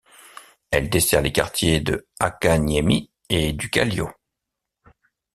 Elle dessert les quartiers de Hakaniemi et du Kallio.